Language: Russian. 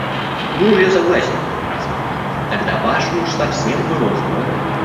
Муж ее согласен был на развод — тогда ваш муж совсем было устроил это.